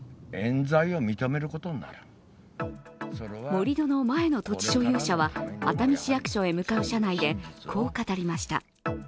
盛り土の前の土地所有者は熱海市役所へ向かう車内でこう語りました。